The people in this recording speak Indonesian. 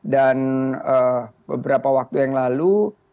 dan beberapa waktu yang lalu